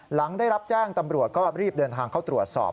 หลังได้รับแจ้งตำรวจก็รีบเดินทางเข้าตรวจสอบ